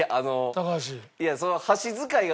高橋。